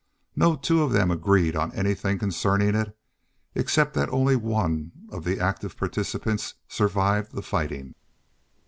No two of them agreed on anything concerning it, except that only one of the active participants survived the fighting.